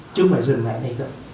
chứ không phải dừng ngày này đâu